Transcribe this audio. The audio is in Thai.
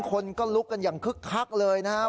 คนก็ลุกกันอย่างคึกคักเลยนะครับ